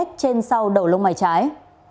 trên sau đầu lông mài trái